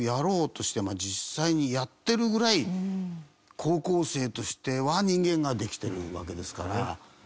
実際にやってるぐらい高校生としては人間ができてるわけですから。